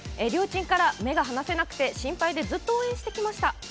りょーちんから目が離せなくて心配でずっと応援してきました。